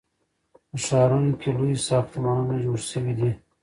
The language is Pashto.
په ښارونو کې لوی ساختمانونه جوړ شوي دي.